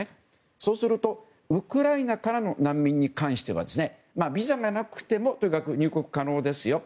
そうするとウクライナからの難民に関してはビザがなくてもとにかく入国可能ですよと。